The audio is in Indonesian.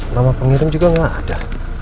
nama pengirim juga nggak ada